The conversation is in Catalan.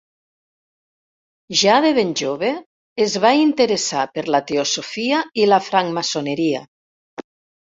Ja de ben jove es va interessar per la teosofia i la francmaçoneria.